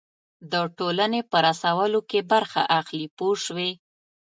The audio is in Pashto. د ټولنې په رسولو کې برخه اخلي پوه شوې!.